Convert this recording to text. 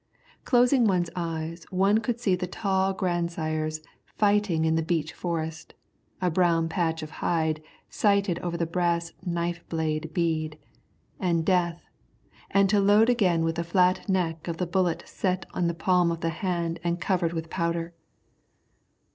Closing one's eyes one could see the tall grandsires fighting in the beech forest, a brown patch of hide sighted over the brass knife blade bead, and death, and to load again with the flat neck of the bullet set in the palm of the hand and covered with powder.